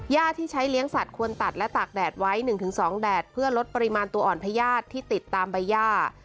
ที่ใช้เลี้ยงสัตว์ควรตัดและตากแดดไว้๑๒แดดเพื่อลดปริมาณตัวอ่อนพญาติที่ติดตามใบย่า